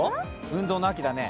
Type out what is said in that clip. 運動の秋だね。